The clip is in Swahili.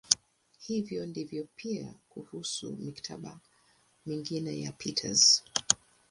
Hivyo ndivyo pia kuhusu "mikataba" mingine ya Peters.